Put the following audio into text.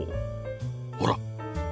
ほら。